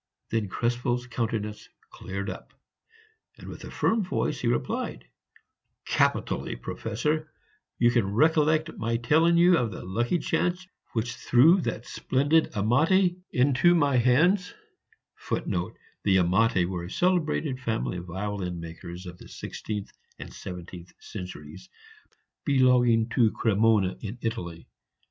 Then Krespel's countenance cleared up, and with a firm voice he replied, "Capitally, Professor; you recollect my telling you of the lucky chance which threw that splendid Amati [Footnote: The Amati were a celebrated family of violin makers of the sixteenth and seventeenth centuries, belonging to Cremona in Italy.